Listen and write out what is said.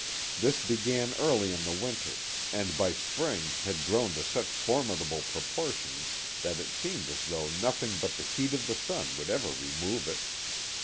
This began early in the winter, and by spring had grown to such formidable propor tions that it seemed as though nothing but the heat of the sun would ever remove it.